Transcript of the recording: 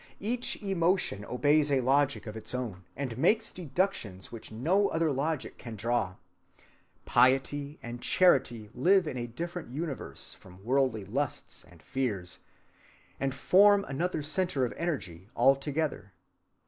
Each emotion obeys a logic of its own, and makes deductions which no other logic can draw. Piety and charity live in a different universe from worldly lusts and fears, and form another centre of energy altogether.